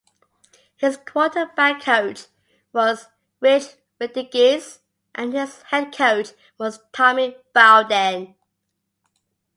His quarterback coach was Rich Rodriguez and his head coach was Tommy Bowden.